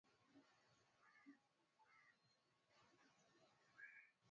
Kwa kweli niko wako